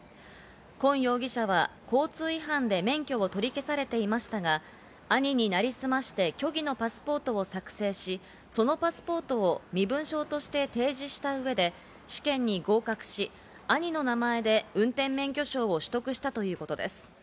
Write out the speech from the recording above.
今容疑者は交通違反で免許を取り消されていましたが、兄に成り済まして虚偽のパスポートを作成し、そのパスポートを身分証として提示した上で、試験に合格し、兄の名前で運転免許証を取得したということです。